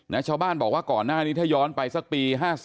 แขกชาวบ้านบอกว่าก่อนหน้านี้ถ้าย้อนไป๓๔๕๕